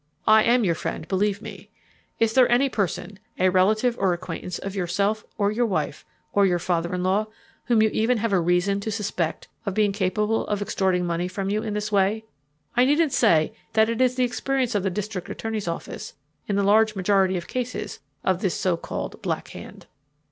I am your friend, believe me. Is there any person, a relative or acquaintance of yourself or your wife or your father in law, whom you even have reason to suspect of being capable of extorting money from you in this way? I needn't say that is the experience of the district attorney's office in the large majority of cases of this so called Black Hand."